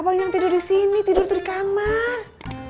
biarin yang tidur disini tidur di kamar